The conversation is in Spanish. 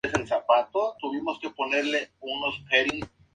La diosa tuvo que escapar de allí, pero su hogar fue devastado.